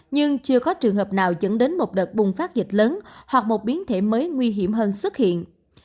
nhưng chưa có trường hợp nào dẫn đến một đợt bùng phát dịch lớn hoặc một biến thể mới nguy hiểm hơn xuất hiện